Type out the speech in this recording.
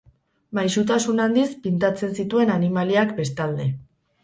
Maisutasun handiz pintatzen zituen animaliak, bestalde.